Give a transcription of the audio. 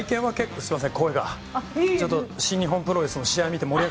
すいません。